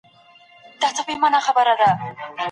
پلان جوړونه د بريا لومړی ګام دی.